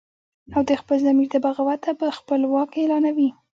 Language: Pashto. او د خپل ضمیر د بغاوته به خپل واک اعلانوي